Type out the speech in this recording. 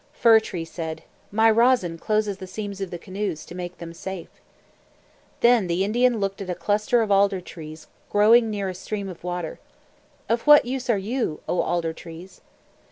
Fir Tree said, "My rosin closes the seams of the canoes, to make them safe." Then the Indian looked at a cluster of alder trees growing near a stream of water. "Of what use are you, O Alder Trees?"